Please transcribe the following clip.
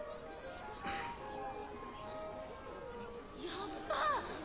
やっば！